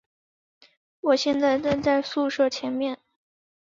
我现在站在宿舍前面